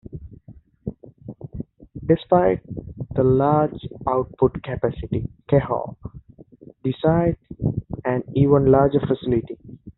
Despite the large output capacity, Kehoe desired an even larger facility.